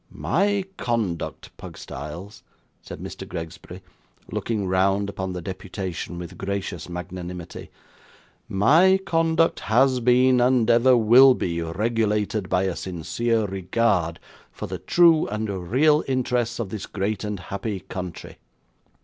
'My conduct, Pugstyles,' said Mr. Gregsbury, looking round upon the deputation with gracious magnanimity 'my conduct has been, and ever will be, regulated by a sincere regard for the true and real interests of this great and happy country.